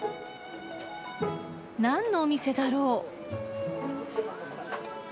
なんのお店だろう？